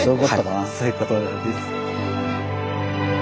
そういうことなんです。